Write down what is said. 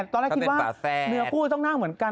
ตอนแรกคิดว่าเดือนกับผู้ต้องหน้าเหมือนกัน